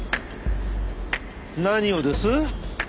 何をです？